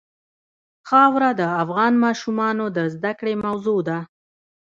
خاوره د افغان ماشومانو د زده کړې موضوع ده.